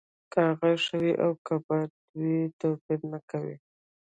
که هغه ښه وي او که بد وي توپیر نه کوي